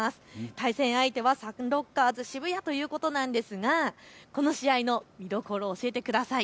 対戦相手はサンロッカーズ渋谷ということなんですがこの試合の見どころを教えてください。